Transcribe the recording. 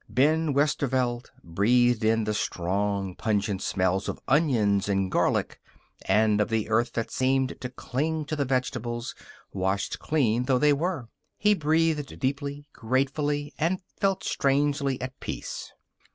Ben Westerveld breathed in the strong, pungent smell of onions and garlic and of the earth that seemed to cling to the vegetables, washed clean though they were. He breathed deeply, gratefully, and felt strangely at peace.